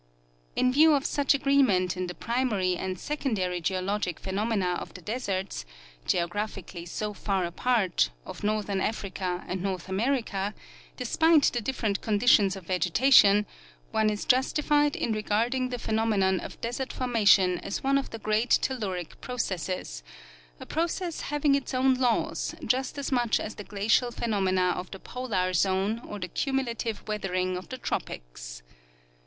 In view of such agreement in the primary and secondary geo logic phenomena of the deserts, geographically so far apart, of northern Africa and North America, despite the different condi tions of vegetation, one is justified in i egarding the phenomenon of desert formation as one of the great telluric processes, a process having its own laws just as much as the glacial j^henomena of the polar zone or the cumulative weathering of the tropics.